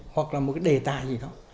hoặc là một cái đề tài gì đó